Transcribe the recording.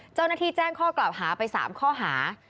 เจ้าหน้าที่แจ้งข้อกล่าวหาไป๓ข้อหา